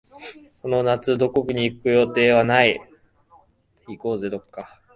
その夏、どこかに行く計画はない。